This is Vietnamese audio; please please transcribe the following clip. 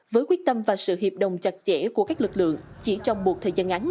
với quyết tâm và sự hiệp đồng chặt chẽ của các lực lượng chỉ trong một thời gian ngắn